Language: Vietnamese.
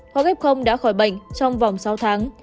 hóa ghép không đã khỏi bệnh trong vòng sáu tháng